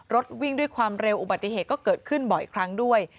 รถวิ่งด้วยความเร็วอุบัติเหตุก็เกิดขึ้นบ่อยครั้งด้วย